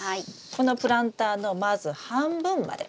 このプランターのまず半分まで。